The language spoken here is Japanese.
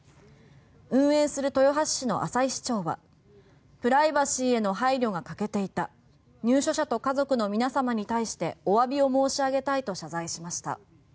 運営する豊橋市の浅井市長はプライバシーへの配慮が欠けていた入所者と家族の皆様に対してお詫びを申し上げたいと謝罪しました。